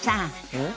うん？